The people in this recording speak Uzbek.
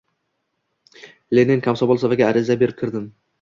Le-nin komsomol safiga ariza berib kirdim.